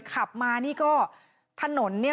ขับมานี่ก็ถนนเนี่ย